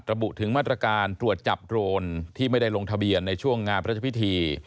ระบุถึงมาตรการตรวจจับโดรนที่ไม่ได้ลงทะเบียนในช่วงงานพระเจ้าพิธี